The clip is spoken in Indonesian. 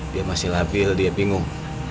dia masih labil dia bingung